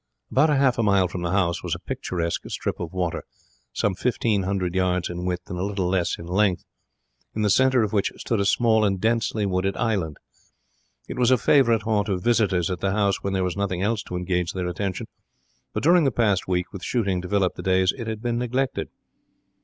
About half a mile from the house was a picturesque strip of water, some fifteen hundred yards in width and a little less in length, in the centre of which stood a small and densely wooded island. It was a favourite haunt of visitors at the house when there was nothing else to engage their attention, but during the past week, with shooting to fill up the days, it had been neglected.